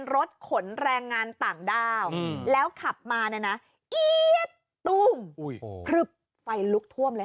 รถขนแรงงานต่างดาวแล้วขับมานะนะปุ้งอุ้ยฮึปไฟลุกท่วมเลยค่ะ